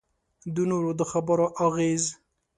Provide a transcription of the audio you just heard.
د نورو د خبرو اغېز.